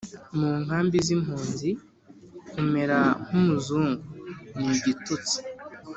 mu nkambi z'impunzi «kumera nk'umuzungu» ni igitutsi